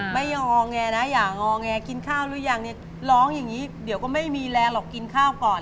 ไม่ยอมอแงนะอย่างอแงกินข้าวหรือยังเนี่ยร้องอย่างนี้เดี๋ยวก็ไม่มีแรงหรอกกินข้าวก่อน